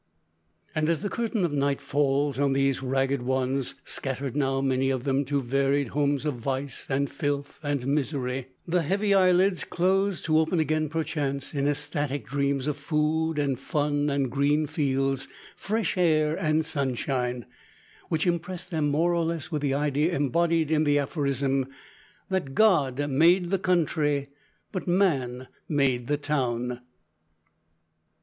And, as the curtain of night falls on these ragged ones, scattered now, many of them, to varied homes of vice, and filth, and misery, the heavy eyelids close to open again, perchance, in ecstatic dreams of food, and fun and green fields, fresh air and sunshine, which impress them more or less with the idea embodied in the aphorism, that "God made the country, but man made the town."